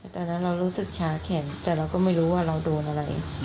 ตอนนั้นเรารู้สึกชาแข็งแต่เราก็ไม่รู้ว่าเราโดนอะไร